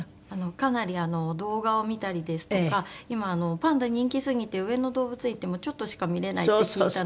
かなり動画を見たりですとか今パンダ人気すぎて上野動物園行ってもちょっとしか見れないって聞いたので。